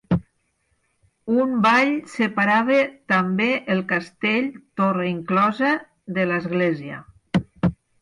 Un vall separava també el castell, torre inclosa, de l'església.